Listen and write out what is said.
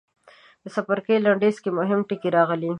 د څپرکي لنډیز کې مهم ټکي راغلي.